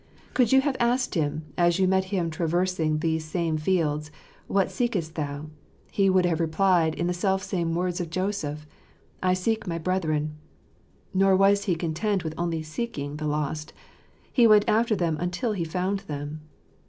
Could you have asked Him, as you met Him traversing those same fields, "What seekest Thou ?" He would have replied in the self same words of Joseph,. "I seek my brethren." Nor was He content with only seeking the lost ; He went after them until He found them.